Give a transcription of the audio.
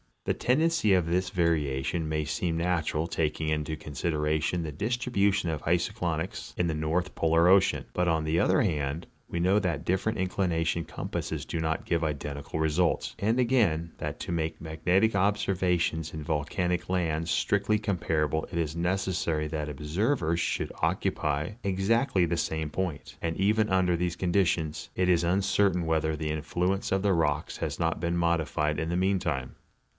The tendency of this variation may seem natural, taking into consideration the distribution of iso clynics in the North Polar ocean; but, on the other hand, we know that different inclination compasses do not give identical results; and again, that to make magnetic observations in vol canic lands strictly comparable it is necessary that observers should occupy exactly the same point, and even under these conditions it is uncertain whether the influence of the rocks has not been modified in the meantime.